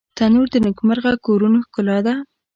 تنور د نیکمرغه کورونو ښکلا ده